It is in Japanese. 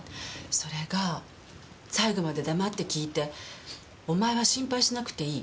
それが最後まで黙って聞いてお前は心配しなくていい。